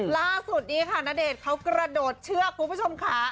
ล่าสุดนี้ค่ะณเดชน์เขากระโดดเชือกคุณผู้ชมค่ะ